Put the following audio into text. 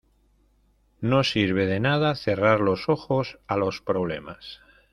no sirve de nada cerrar los ojos a los problemas